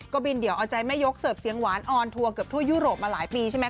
ก็บินเดี่ยวเอาใจแม่ยกเสิร์ฟเสียงหวานออนทัวร์เกือบทั่วยุโรปมาหลายปีใช่ไหม